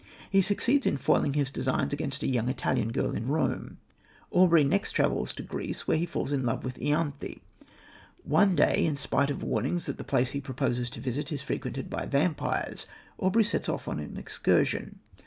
He succeeds in foiling his designs against a young Italian girl in Rome. Aubrey next travels to Greece, where he falls in love with Ianthe. One day, in spite of warnings that the place he purposes to visit is frequented by vampires, Aubrey sets off on an excursion.